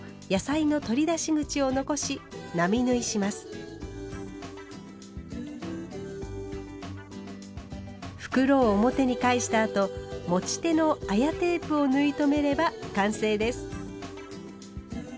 クロスの側面を袋を表に返したあと持ち手の綾テープを縫い留めれば完成です。